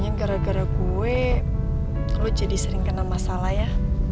yang gara gara gue lo jadi sering kena masalah ya